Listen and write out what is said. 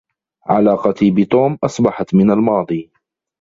علاقتي بتوم أصبحت من الماضي.